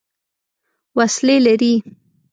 وسلې لري.